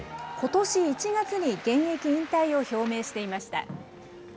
ことし１月に現役引退を表明していました。